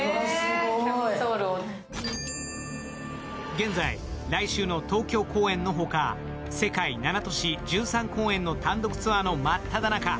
現在、来週の東京公演の他、世界７都市１３公演の単独ツアーの真っただ中。